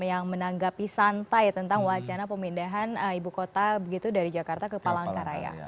yang menanggapi santai tentang wacana pemindahan ibu kota begitu dari jakarta ke palangkaraya